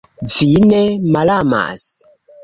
Vi ne malamas!